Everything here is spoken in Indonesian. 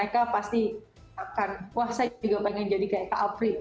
kelakaran yang lebih fringe